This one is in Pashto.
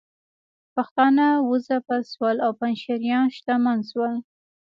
پښتانه وځپل شول او پنجشیریان شتمن شول